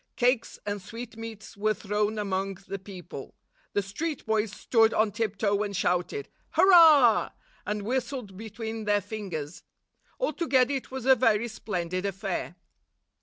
Cakes and sweetmeats were thrown among the people. The street boys stood on tiptoe and shouted, "Hurrah!" and whistled between their fingers. Altogether it was a very splendid affair.